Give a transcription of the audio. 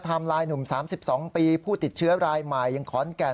ไลน์หนุ่ม๓๒ปีผู้ติดเชื้อรายใหม่อย่างขอนแก่น